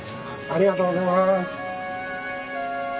ありがとうございます。